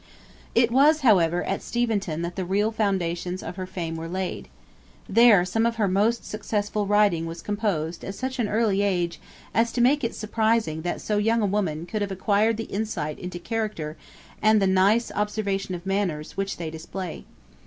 It was, however, at Steventon that the real foundations of her fame were laid. There some of her most successful writing was composed at such an early age as to make it surprising that so young a woman could have acquired the insight into character, and the nice observation of manners which they display.